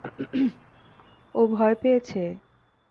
ও ভয় পেয়েছে।